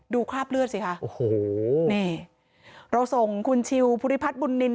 คราบเลือดสิค่ะโอ้โหนี่เราส่งคุณชิวภูริพัฒน์บุญนิน